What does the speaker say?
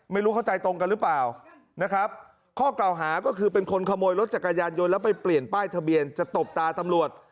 ไม่รู้เข้าใจตรงกันหรือเปล่านะครับข้อกล่าวหาก็คือเป็นคนขโมยรถจักรยานยนต์แล้วไปเปลี่ยนป้ายทะเบียนจะตบตาตำรวจ